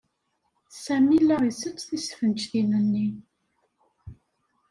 Sami la isett tisfenǧtin-nni.